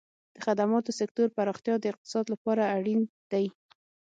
د خدماتو سکتور پراختیا د اقتصاد لپاره اړین دی.